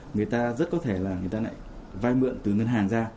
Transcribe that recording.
người ta rất có thể là người ta lại vay mượn từ ngân hàng ra